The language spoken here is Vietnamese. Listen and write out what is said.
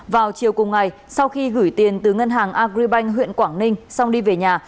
vào chiều cùng ngày sau khi gửi tiền từ ngân hàng agribank huyện quảng ninh xong đi về nhà